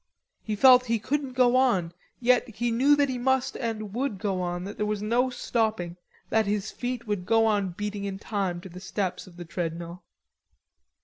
He felt he couldn't go on, yet he knew that he must and would go on, that there was no stopping, that his feet would go on beating in time to the steps of the treadmill.